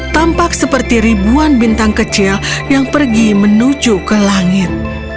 tampak seperti ribuan bintang kecil yang pergi menuju ke langit